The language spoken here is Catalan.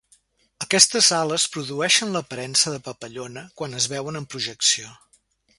Aquestes ales produeixen l'aparença de papallona quan es veuen en projecció.